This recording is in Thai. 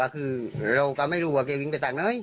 กลับไม่รู้ว่าเขาวิ่งไปจังนะเฮ้ย